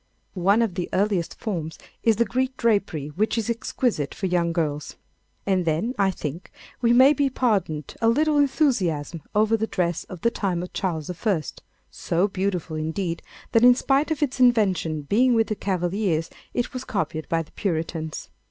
One of the earliest forms is the Greek drapery which is exquisite for young girls. And then, I think we may be pardoned a little enthusiasm over the dress of the time of Charles I., so beautiful indeed, that in spite of its invention being with the Cavaliers it was copied by the Puritans.